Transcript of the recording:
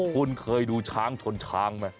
คุณเคยดูช้างชนช้างไหม